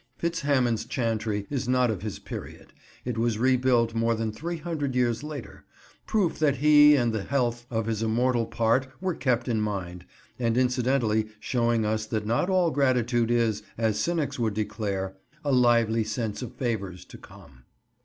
Fitz Hamon's chantry is not of his period: it was rebuilt more than three hundred years later; proof that he, and the health of his immortal part were kept in mind, and incidentally showing us that not all gratitude is, as cynics would declare, "a lively sense of favours to come."